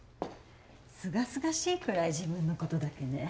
すがすがしいくらい自分のことだけね。